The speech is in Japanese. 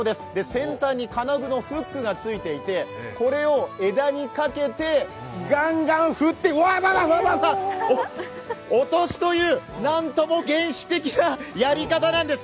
先端に金具のフックが付いていて、これを枝にかけて、ガンガン振って、わわ、落とすという何とも原始的なやり方なんです。